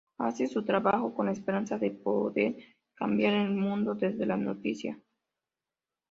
Hace su trabajo con la esperanza de poder cambiar el mundo desde la noticia.